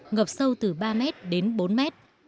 ngập sâu từ ba mét đến bốn mét